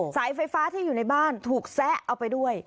สายไฟฟ้าที่อยู่ในบ้านถูกแซะเอาไปด้วย